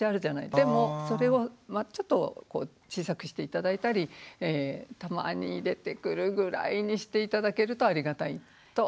でもそれをちょっと小さくして頂いたりたまに出てくるぐらいにして頂けるとありがたいということです。